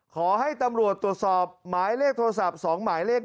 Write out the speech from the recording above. ขอให้ตำรวจตรวจสอบหมายเลขโทรศัพท์๒หมายเลข